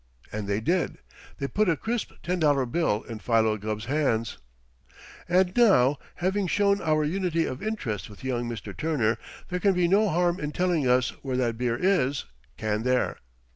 And they did. They put a crisp ten dollar bill in Philo Gubb's hands. "And now, having shown our unity of interest with young Mr. Turner, there can be no harm in telling us where that beer is, can there?"